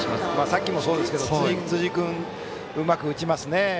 さっきもそうですが辻君はうまく打ちますね。